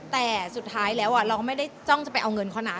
แต่สุดท้ายแล้วเราก็ไม่ได้จ้องจะไปเอาเงินเขานะ